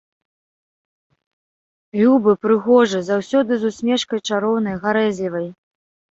Любы, прыгожы, заўсёды з усмешкай чароўнай, гарэзлівай.